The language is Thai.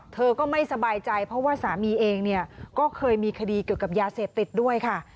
เธอก็ไม่สบายใจเพราะว่าสามีเองเนี่ยก็เคยมีคดีเกี่ยวกับยาเสพติดด้วยค่ะ